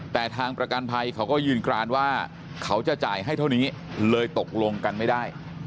แต่ทางประกันภัยเขาก็ยืนกรานว่าเขาจะจ่ายให้เท่านี้เลยตกลงกันไม่ได้